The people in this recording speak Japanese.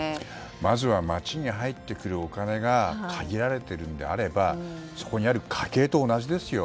まずは町に入ってくるお金が限られているのであればそこにある家計と同じですよ。